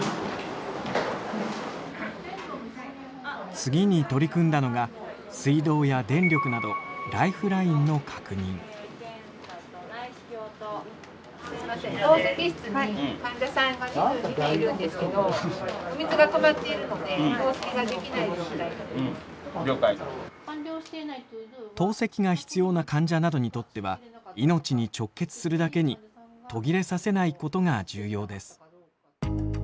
次に取り組んだのが水道や電力など透析が必要な患者などにとっては命に直結するだけに途切れさせないことが重要です。